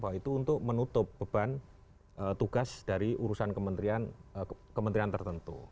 bahwa itu untuk menutup beban tugas dari urusan kementerian tertentu